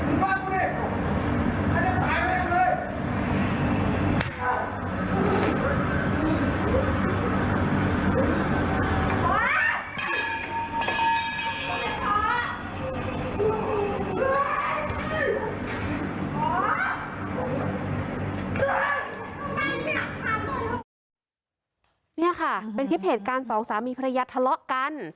มันถูกต้องนี่ค่ะเป็นที่เหตุการณ์สองสามีภรรยาทะเลาะกัน